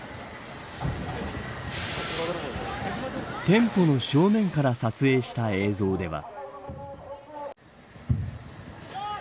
店舗の正面から撮影した映像では。